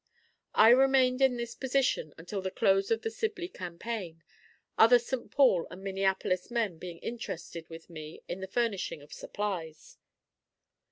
I remained in this position until the close of the Sibley campaign, other St. Paul and Minneapolis men being interested with me in the furnishing of supplies.